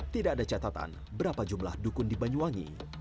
tidak ada catatan berapa jumlah dukun di banyuwangi